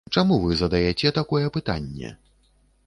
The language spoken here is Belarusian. Чаму вы задаяце такое пытанне?